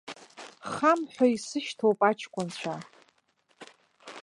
Хам ҳәа исышьҭоуп аҷкәынцәа.